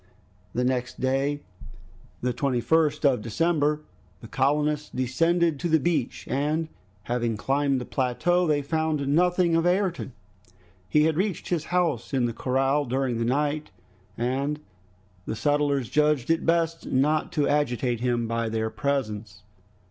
The next day the 21st of December the colonists descended to the beach, and having climbed the plateau they found nothing of Ayrton. He had reached his house in the corral during the night and the settlers judged it best not to agitate him by their presence.